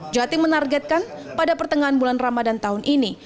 jatim menargetkan pada pertengahan bulan ramadan tahun ini